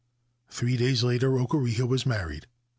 Three days later Okureha was married.